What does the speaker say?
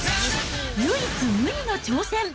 唯一無二の挑戦！